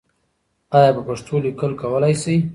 آیا په پښتو لیکل کولای سې؟